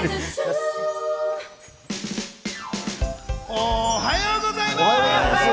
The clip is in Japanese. おはようございます！